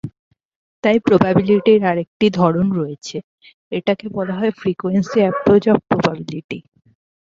তাই প্রবাবিলিটির আরেকটি ধরন রয়েছে এটাকে বলা হয় ফ্রিকোয়েন্সি এপ্রোচ অব প্রবাবিলিটি।